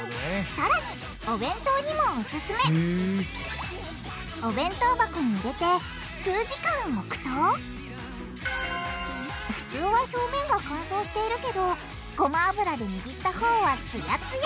さらにお弁当箱に入れて数時間おくと普通は表面が乾燥しているけどごま油でにぎったほうはツヤツヤ！